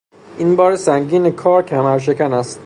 این بار سنگین کار کمرشکن است.